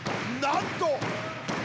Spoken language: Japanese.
なんと！